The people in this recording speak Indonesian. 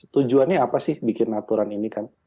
tujuannya apa sih bikin aturan ini kan